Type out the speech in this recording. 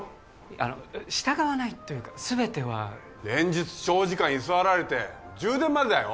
あの従わないというか全ては連日長時間居座られて充電までだよ